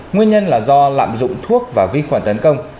nguyên nhân là do lạm dụng thuốc và vi khuẩn tấn công